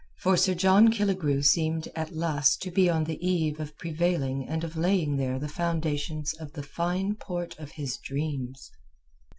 For Sir John Killigrew seemed at last to be on the eve of prevailing and of laying there the foundations of the fine port of his dreams.